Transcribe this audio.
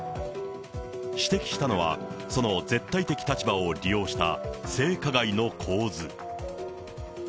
指摘したのは、その絶対的立場を利用した、性加害の構図。